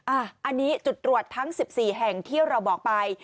อันนี้จุดตรวจทั้ง๑๔แห่งที่เราบอกไป